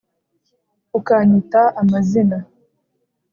ukanyita amazina